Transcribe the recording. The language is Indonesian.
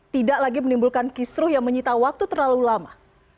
tidak lagi menimbulkan kisruh yang menyita waktu terlalu lama